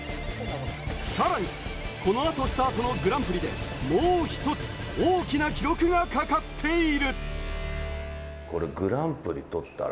さらに、この後スタートのグランプリでもう一つ大きな記録がかかっている。